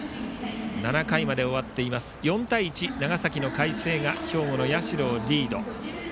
７回まで終わって４対１と長崎の海星が兵庫の社をリード。